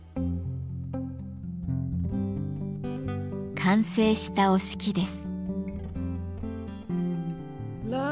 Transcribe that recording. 完成した折敷です。